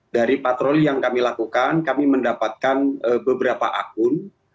dari patroli yang kami lakukan kami mendapatkan beberapa akun